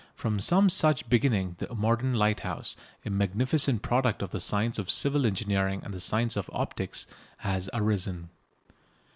From some such beginning the modern lighthouse, a magnificent product of the science of civil engineering and the science of optics, has arisen.